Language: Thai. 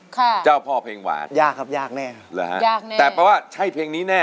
ค่ะเจ้าพ่อเพลงหวานยากครับยากแน่หรือฮะแต่เพราะว่าใช่เพลงนี้แน่นะ